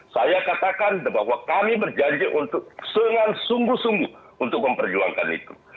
saya katakan bahwa kami berjanji untuk dengan sungguh sungguh untuk memperjuangkan itu